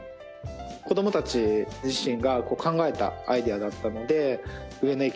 子どもたち自身が考えたアイデアだったので。